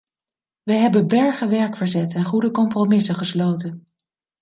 We hebben bergen werk verzet en goede compromissen gesloten.